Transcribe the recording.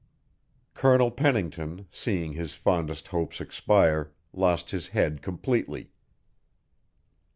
Colonel Pennington, seeing his fondest hopes expire, lost his head completely.